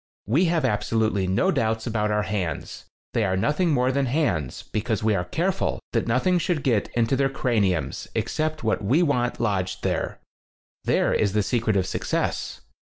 We have absolutely no doubts about our hands. They are nothing more than hands, because we are careful that nothing should get into their crani ums except what we want lodged there. There is the secret of success.